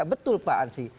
betul pak ansi